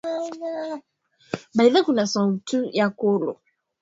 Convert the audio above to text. kuwa Upendo una maana kuliko elimu yote ya binadamu nao ndio